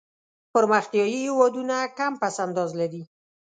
پرمختیایي هېوادونه کم پس انداز لري.